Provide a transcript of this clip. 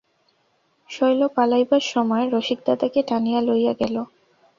শৈল পালাইবার সময় রসিকদাদাকে টানিয়া লইয়া গেল।